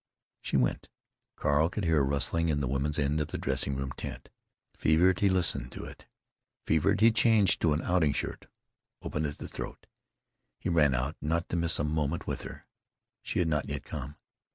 She went. Carl could hear a rustling in the women's end of the dressing room tent. Fevered, he listened to it. Fevered, he changed to an outing shirt, open at the throat. He ran out, not to miss a moment with her.... She had not yet come.